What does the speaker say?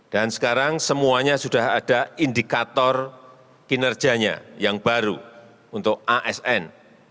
dan sekarang semuanya sudah ada indikator kinerjanya yang baru untuk asn